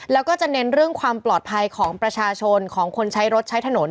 แล้วก็จะเน้นเรื่องความปลอดภัยของประชาชนของคนใช้รถใช้ถนน